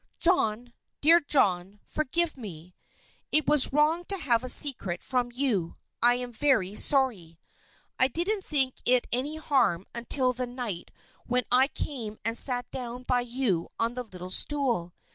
"John, dear John, forgive me! It was wrong to have a secret from you. I'm very sorry. I didn't think it any harm until the night when I came and sat down by you on the little stool.